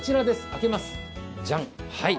開けます、ジャン。